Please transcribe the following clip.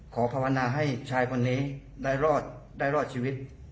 ขอภาวนาให้ชายคนนี้ได้รอดชีวิต